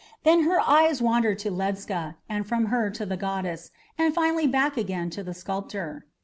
Then her eyes wandered to Ledscha, and from her to the goddess, and finally back again to the sculptor.